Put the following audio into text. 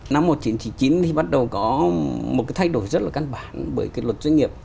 năm một nghìn chín trăm chín mươi chín thì bắt đầu có một cái thay đổi rất là căn bản bởi cái luật doanh nghiệp